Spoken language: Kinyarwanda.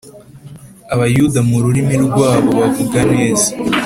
Abayuda mu rurimi rwabo bavuga neza.